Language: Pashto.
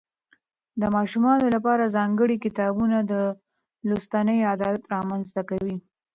د ماشومانو لپاره ځانګړي کتابونه د لوستنې عادت رامنځته کوي.